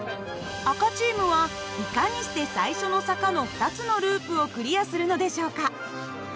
赤チームはいかにして最初の坂の２つのループをクリアするのでしょうか？